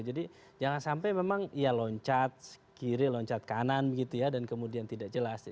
jadi jangan sampai memang ya loncat kiri loncat kanan gitu ya dan kemudian tidak jelas